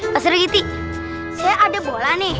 pasur kitih saya ada bola nih